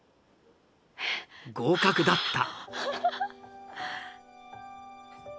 合格だった。